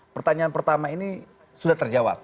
pertanyaan pertama ini sudah terjawab